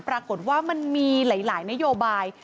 ปรากฏว่ามันมีหลายนโยบาย